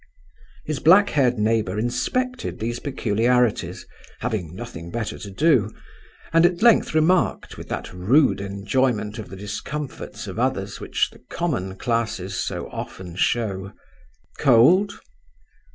His black haired neighbour inspected these peculiarities, having nothing better to do, and at length remarked, with that rude enjoyment of the discomforts of others which the common classes so often show: "Cold?"